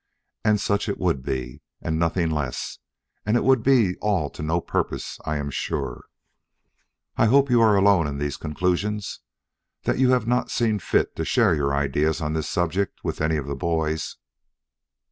And such it would be, and nothing less; and it would be all to no purpose, I am sure. I hope you are alone in these conclusions that you have not seen fit to share your ideas on this subject with any of the boys?"